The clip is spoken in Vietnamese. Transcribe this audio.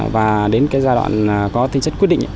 và đến cái giai đoạn có tinh chất quyết định